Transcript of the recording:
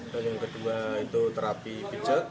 dan yang kedua itu terapi pijat